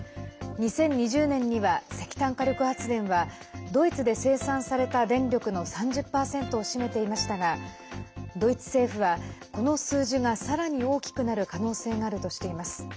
２０２０年には、石炭火力発電はドイツで生産された電力の３０％を占めていましたがドイツ政府は、この数字がさらに大きくなる可能性があるとしています。